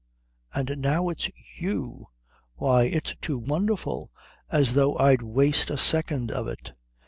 And now it's you! Why, it's too wonderful! As though I'd waste a second of it."